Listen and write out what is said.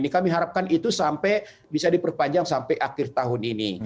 kami harapkan itu sampai bisa diperpanjang sampai akhir tahun ini